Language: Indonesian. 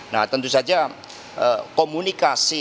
nah tentu saja komunikasi